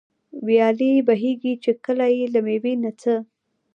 ويالې بهېږي، چي كله ئې له مېوې نه څه